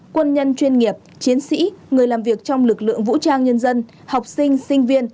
quân nhân chuyên nghiệp chiến sĩ người làm việc trong lực lượng vũ trang nhân dân học sinh sinh viên